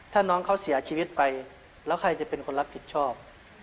ถ้าน้องเขาเสียชีวิตไปแล้วใครจะเป็นคนรับผิดชอบ